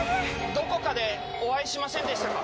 どこかでお会いしませんでしたか？